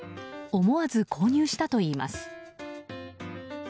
思わず購入したといいます。